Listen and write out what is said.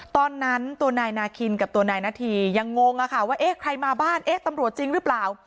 ตอนนั้นตัวนายนาคินกับตัวนายนาธียังงงอะค่ะว่าเอ๊ะใครมาบ้านเอ๊ะตำรวจจริงหรือเปล่า